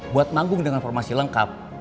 buat nanggung dengan formasi lengkap